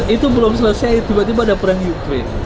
itu belum selesai tiba tiba ada perang ukraine